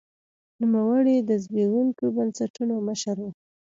نوموړي د زبېښونکو بنسټونو مشر و.